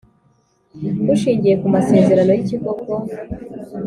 Bushingiye ku masezerano y ikigo bwo